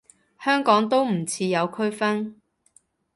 香港都唔似有區分